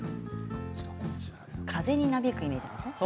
風になびくイメージですか。